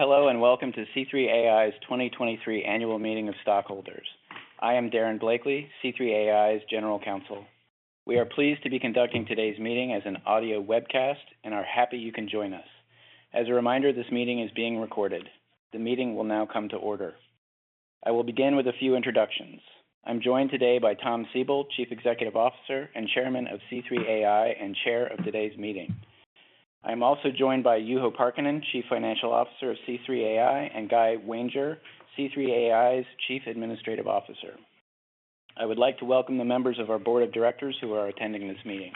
Hello, and welcome to C3.ai's 2023 Annual Meeting of Stockholders. I am Derron Blakely, C3.ai's General Counsel. We are pleased to be conducting today's meeting as an audio webcast and are happy you can join us. As a reminder, this meeting is being recorded. The meeting will now come to order. I will begin with a few introductions. I'm joined today by Thomas Siebel, Chief Executive Officer and Chairman of C3.ai, and Chair of today's meeting. I'm also joined by Juho Parkkinen, Chief Financial Officer of C3.ai, and Guy Wanger, C3.ai's Chief Administrative Officer. I would like to welcome the members of our Board of Directors who are attending this meeting.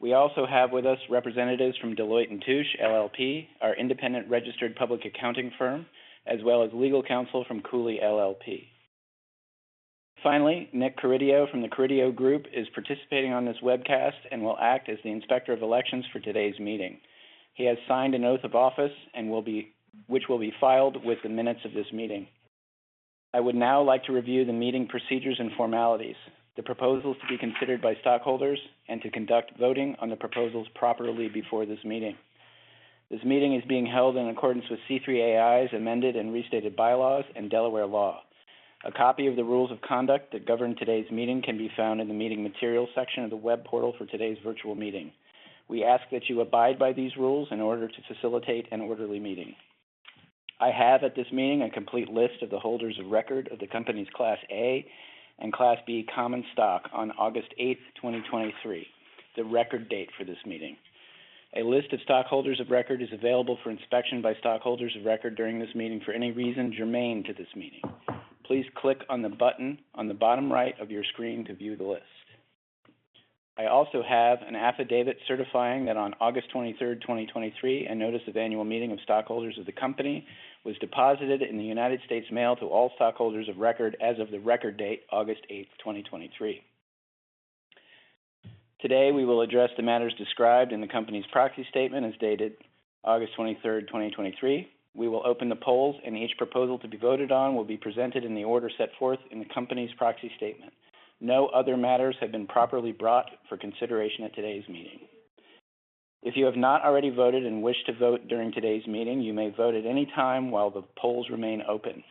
We also have with us representatives from Deloitte & Touche, LLP, our independent registered public accounting firm, as well as legal counsel from Cooley LLP. Finally, Nick Carideo from The Carideo Group is participating on this webcast and will act as the Inspector of Elections for today's meeting. He has signed an oath of office, which will be filed with the minutes of this meeting. I would now like to review the meeting procedures and formalities, the proposals to be considered by stockholders, and to conduct voting on the proposals properly before this meeting. This meeting is being held in accordance with C3.ai's amended and restated bylaws and Delaware law. A copy of the rules of conduct that govern today's meeting can be found in the Meeting Materials section of the web portal for today's virtual meeting. We ask that you abide by these rules in order to facilitate an orderly meeting. I have, at this meeting, a complete list of the holders of record of the company's Class A and Class B common stock on August 8, 2023, the record date for this meeting. A list of stockholders of record is available for inspection by stockholders of record during this meeting for any reason germane to this meeting. Please click on the button on the bottom right of your screen to view the list. I also have an affidavit certifying that on August 23, 2023, a Notice of Annual Meeting of Stockholders of the company was deposited in the US mail to all stockholders of record as of the record date, August 8, 2023. Today, we will address the matters described in the company's proxy statement as dated August 23, 2023. We will open the polls, and each proposal to be voted on will be presented in the order set forth in the company's proxy statement. No other matters have been properly brought for consideration at today's meeting. If you have not already voted and wish to vote during today's meeting, you may vote at any time while the polls remain open.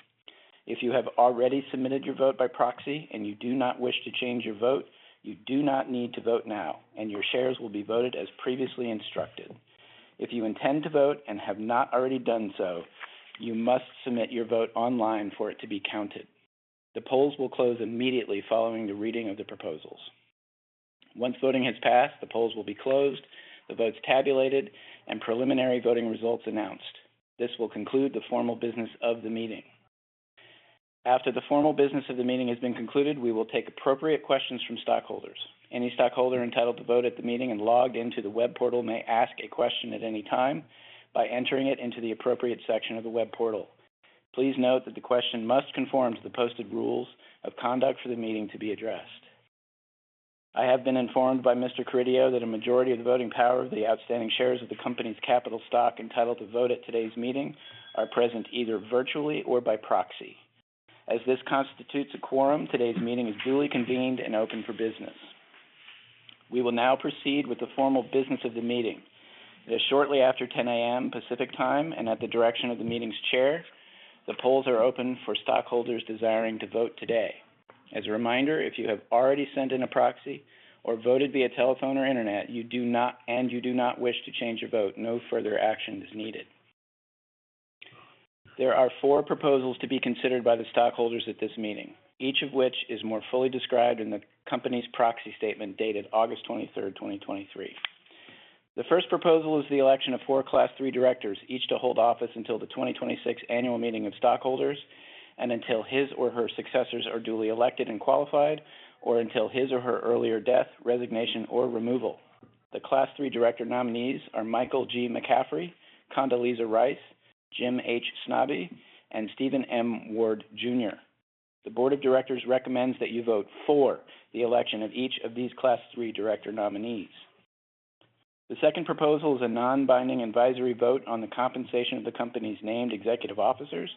If you have already submitted your vote by proxy and you do not wish to change your vote, you do not need to vote now, and your shares will be voted as previously instructed. If you intend to vote and have not already done so, you must submit your vote online for it to be counted. The polls will close immediately following the reading of the proposals. Once voting has passed, the polls will be closed, the votes tabulated, and preliminary voting results announced. This will conclude the formal business of the meeting. After the formal business of the meeting has been concluded, we will take appropriate questions from stockholders. Any stockholder entitled to vote at the meeting and logged into the web portal may ask a question at any time by entering it into the appropriate section of the web portal. Please note that the question must conform to the posted rules of conduct for the meeting to be addressed. I have been informed by Mr. Carideo that a majority of the voting power of the outstanding shares of the company's capital stock entitled to vote at today's meeting are present either virtually or by proxy. As this constitutes a quorum, today's meeting is duly convened and open for business. We will now proceed with the formal business of the meeting. It is shortly after 10 A.M. Pacific Time, and at the direction of the meeting's chair, the polls are open for stockholders desiring to vote today. As a reminder, if you have already sent in a proxy or voted via telephone or internet, and you do not wish to change your vote, no further action is needed. There are four proposals to be considered by the stockholders at this meeting, each of which is more fully described in the company's proxy statement dated August 23, 2023. The first proposal is the election of four Class III directors, each to hold office until the 2026 Annual Meeting of Stockholders and until his or her successors are duly elected and qualified, or until his or her earlier death, resignation, or removal. The Class III director nominees are Michael G. McCaffrey, Condoleezza Rice, Jim H. Snabe, and Stephen M. Ward, Jr. The Board of Directors recommends that you vote for the election of each of these Class III director nominees. The second proposal is a non-binding advisory vote on the compensation of the company's named executive officers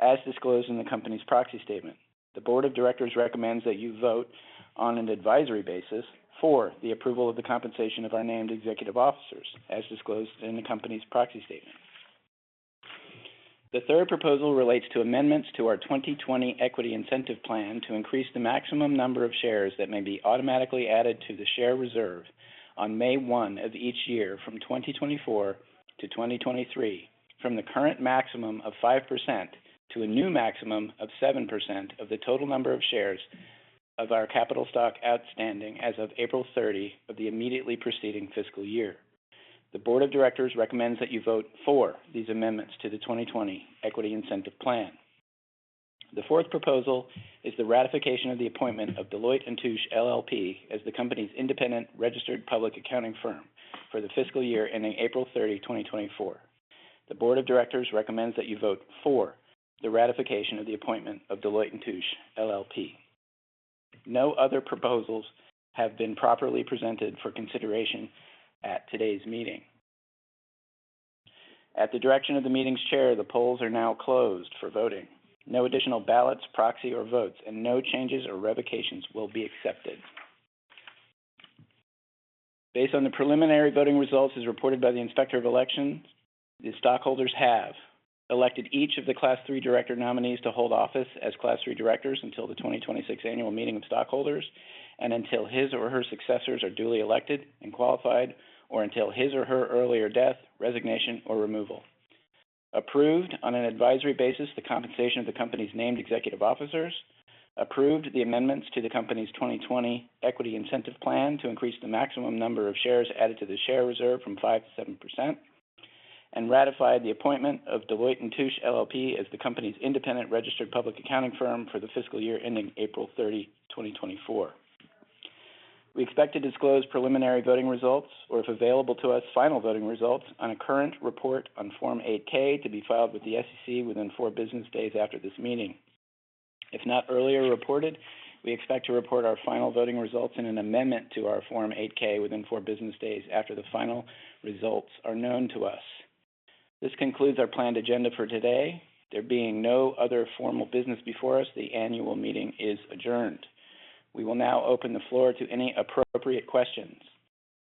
as disclosed in the company's proxy statement. The Board of Directors recommends that you vote on an advisory basis for the approval of the compensation of our named executive officers, as disclosed in the company's proxy statement. The third proposal relates to amendments to our 2020 Equity Incentive Plan to increase the maximum number of shares that may be automatically added to the share reserve on May 1 of each year from 2024 to 2023, from the current maximum of 5% to a new maximum of 7% of the total number of shares of our capital stock outstanding as of April 30 of the immediately preceding fiscal year. The Board of Directors recommends that you vote for these amendments to the 2020 Equity Incentive Plan. The fourth proposal is the ratification of the appointment of Deloitte & Touche, LLP as the company's independent registered public accounting firm for the fiscal year ending April 30, 2024. The Board of Directors recommends that you vote for the ratification of the appointment of Deloitte & Touche, LLP. No other proposals have been properly presented for consideration at today's meeting. At the direction of the meeting's chair, the polls are now closed for voting. No additional ballots, proxy, or votes, and no changes or revocations will be accepted. Based on the preliminary voting results, as reported by the Inspector of Elections, the stockholders have elected each of the Class III director nominees to hold office as Class III directors until the 2026 Annual Meeting of Stockholders and until his or her successors are duly elected and qualified, or until his or her earlier death, resignation, or removal. Approved on an advisory basis, the compensation of the company's named executive officers, approved the amendments to the company's 2020 Equity Incentive Plan to increase the maximum number of shares added to the share reserve from 5%-7%, and ratified the appointment of Deloitte & Touche, LLP, as the company's independent registered public accounting firm for the fiscal year ending April 30, 2024. We expect to disclose preliminary voting results, or if available to us, final voting results on a current report on Form 8-K to be filed with the SEC within four business days after this meeting. If not earlier reported, we expect to report our final voting results in an amendment to our Form 8-K within four business days after the final results are known to us. This concludes our planned agenda for today. There being no other formal business before us, the annual meeting is adjourned. We will now open the floor to any appropriate questions.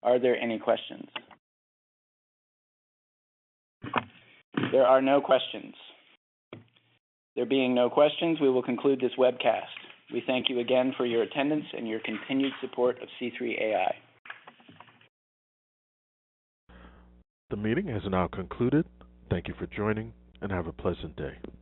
Are there any questions? There are no questions. There being no questions, we will conclude this webcast. We thank you again for your attendance and your continued support of C3.ai. The meeting has now concluded. Thank you for joining, and have a pleasant day.